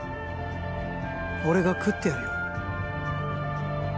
俺が喰ってやるよ